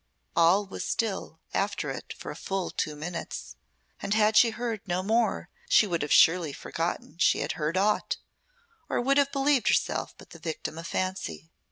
All was still after it for full two minutes, and had she heard no more she would have surely forgotten she had heard aught, or would have believed herself but the victim of fancy.